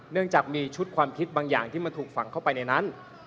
เนื่องจากมีชุดความคิดบางอย่างที่มันถูกฝังเข้าไปในนั้น